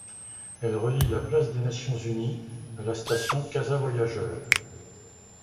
Elle relie la place des Nations-Unies à la station Casa-Voyageurs.